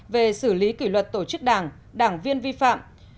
về xử lý kỷ luật tổ chức đảng đảng viên vi phạm